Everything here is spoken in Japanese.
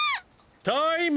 タイム！